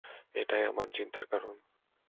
এটাই আমার চিন্তার কারণ।